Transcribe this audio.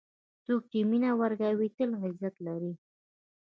څوک چې مینه ورکوي، تل عزت لري.